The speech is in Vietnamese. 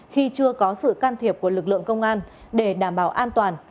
khi chưa có sự can thiệp của lực lượng công an để đảm bảo an toàn